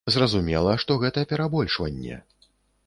Зразумела, што гэта перабольшванне.